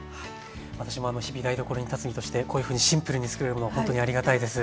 私も日々台所に立つ身としてこういうふうにシンプルにつくれるものはほんとにありがたいです。